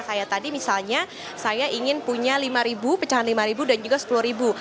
kayak tadi misalnya saya ingin punya lima ribu pecahan lima ribu dan juga sepuluh ribu